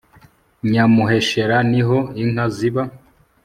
nyamuheshera niho inka ziba